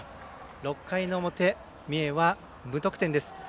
６回の表、三重は無得点です。